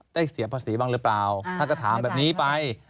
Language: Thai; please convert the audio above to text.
เสียภาษีบ้างหรือเปล่าท่านก็ถามแบบนี้ไป